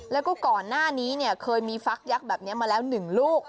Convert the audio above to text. แล้วก็ก่อนหน้านี้เนี่ยเคยมีฟักยักษ์แบบนี้มาแล้ว๑ลูก